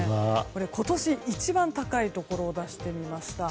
今年一番高いところを出してみました。